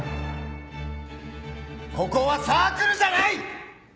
ここはサークルじゃない‼